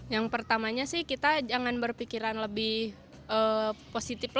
yang pertamanya sih kita jangan berpikiran lebih positif